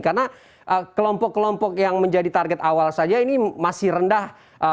karena kelompok kelompok yang menjadi target awal saja ini masih rendah